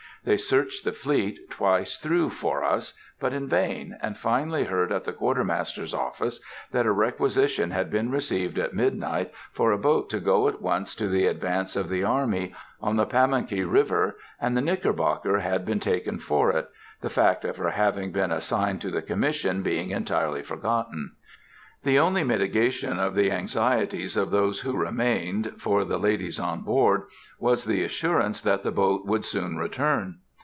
They searched the fleet twice through for us, but in vain, and finally heard at the Quartermaster's office, that a requisition had been received at midnight for a boat to go at once to the advance of the army, on the Pamunkey River, and the Knickerbocker had been taken for it, the fact of her having been assigned to the Commission being entirely forgotten. The only mitigation of the anxieties of those who remained, for the ladies on board, was the assurance that the boat would soon return.